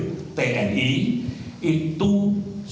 itu sudah diperlukan